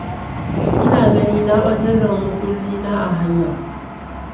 Ina ganin na batar da mukulli na a hanya.